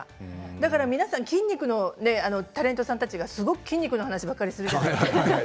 だから皆さん、筋肉のタレントさんたちすごく筋肉の話ばっかりするじゃないですか。